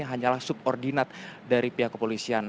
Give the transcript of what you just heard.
hanyalah subordinat dari pihak kepolisian